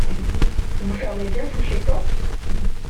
Vous fermez bien toutes les portes ?